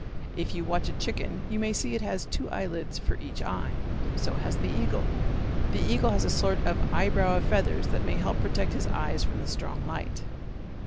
If you watch a chicken you may see it has two eyelids for each eye. So has the eagle. The eagle has a sort of eyebrow of feathers that may help protect his eyes from the strong light.